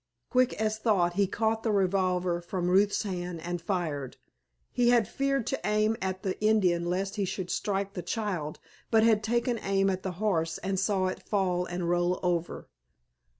Quick as thought he caught the revolver from Ruth's hand and fired. He had feared to aim at the Indian lest he should strike the child, but had taken aim at the horse, and saw it fall and roll over.